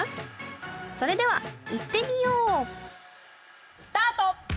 それではいってみよう！スタート！